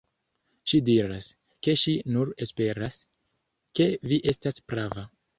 Ŝi diras, ke ŝi nur esperas, ke vi estas prava.